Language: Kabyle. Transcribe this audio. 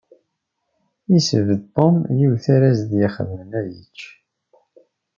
Yesbedd Tom yiwet ara s-d-ixeddmen ad yečč.